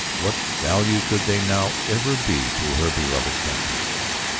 Of what value could they now ever be to her beloved country?